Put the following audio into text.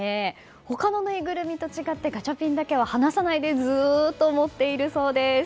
他のぬいぐるみと違ってガチャピンだけは離さないでずっと持っているそうです。